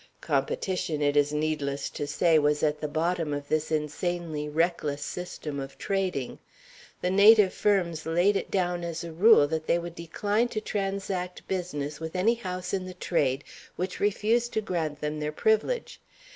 Competition, it is needless to say, was at the bottom of this insanely reckless system of trading. The native firms laid it down as a rule that they would decline to transact business with any house in the trade which refused to grant them their privilege.